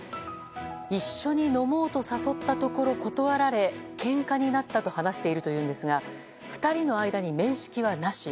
一緒に飲もうと誘ったところ断られけんかになったと話しているんですが２人の間に面識はなし。